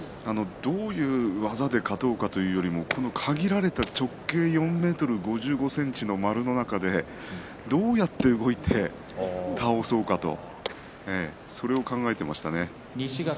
どういう技で勝とうかというよりもこの限られた直径４ｍ５５ｃｍの丸の中でどうやって動いて倒そうかとそれを考えていましたね。